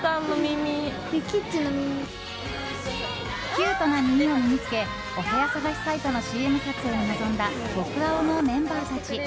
キュートな耳を身に着けお部屋探しサイトのＣＭ撮影に臨んだ僕青のメンバーたち。